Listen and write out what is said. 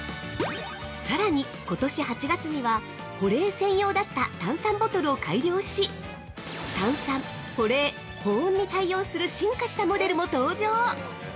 ◆さらに、ことし８月には保冷専用だった炭酸ボトルを改良し炭酸・保冷・保温に対応する進化したモデルも登場。